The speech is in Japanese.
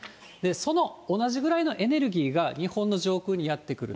その同じぐらいのエネルギーが日本の上空にやって来る。